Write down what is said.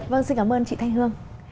vâng xin cảm ơn chị thanh hương